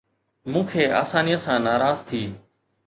مون کي آساني سان ناراض ٿي